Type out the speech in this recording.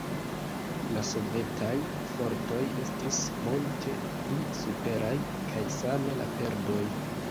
La sovetaj fortoj estis multe pli superaj, kaj same la perdoj.